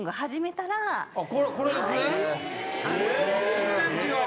・全然違う・